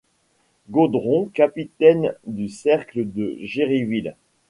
Godron capitaine du cercle de Géryville.